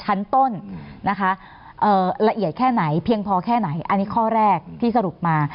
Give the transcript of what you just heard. ชั้นต้นนะคะละเอียดแค่ไหนเพียงพอแค่ไหนอันนี้ข้อแรกที่สรุปมา